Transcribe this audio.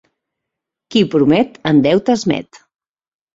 Qui promet, en deute es met.